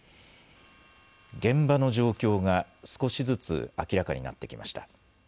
現場の状況が少しずつ明らかになってきました。